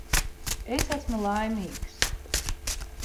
Es esmu laimīgs.